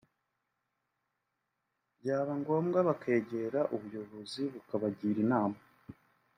byaba ngombwa bakegera ubuyobozi bukabagira inama